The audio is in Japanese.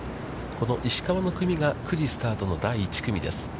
この石川の組が、９時スタートの第１組です。